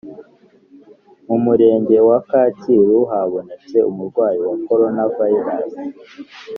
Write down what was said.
Mu murenge wa kacyiru habonetse umurwayi wa corona virusi